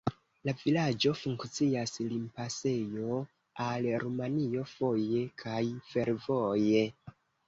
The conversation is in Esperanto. La vilaĝo funkcias limpasejo al Rumanio voje kaj fervoje.